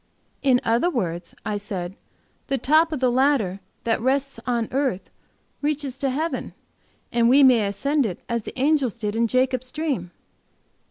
"In other words," I said, "the top of the ladder that rests on earth reaches to heaven, and we may ascend it as the angels did in Jacob's dream."